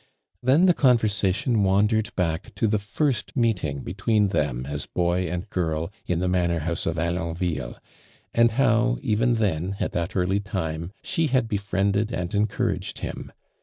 Then the conversation wandered back to the first meeting between them as boy and girl, in the manor house of Alon 76 ARMAND DURADTD. I;.' i! ii Ville, and how. even then, at that early time she had befriended and cncourased him.